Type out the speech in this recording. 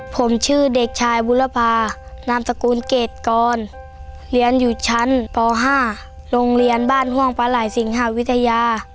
ผมชื่อเด็กชายบุรพานามสกุลเกรดกรเรียนอยู่ชั้นป๕โรงเรียนบ้านห่วงปลาไหล่สิงหาวิทยา